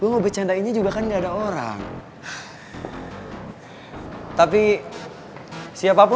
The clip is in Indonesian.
lo bisa duduk aja gak sih